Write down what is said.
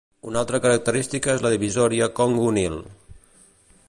Una altra característica és la Divisòria Congo-Nil.